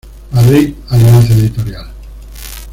Madrid: Alianza Editorial.